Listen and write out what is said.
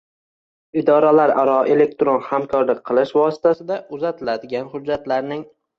Idoralararo elektron hamkorlik qilish vositasida uzatiladigan hujjatlarning